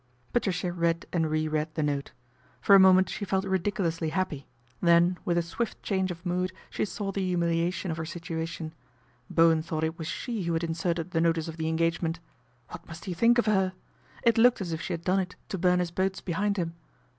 Patricia read and re read the note. For a moment she felt ridiculously happy, then, with a swift change of mood she saw the humiliation of her situation. Bowen thought it was she who had inserted the notice of the engagement. What must he think of her ? It looked as if she had A BOMBSHELL 103 done it to burn his boats behind him.